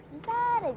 bentar aja ya